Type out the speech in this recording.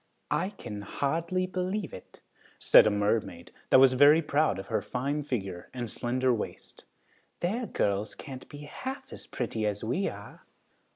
"I can hardly believe it," said a mermaid, that was very proud of her fine figure and slender waist. "Their girls can't be half as pretty as we are."